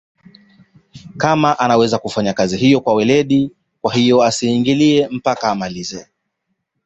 kuwa anaweza kufanya kazi hiyo kwa weredi kwahiyo asiingilie mpaka amalize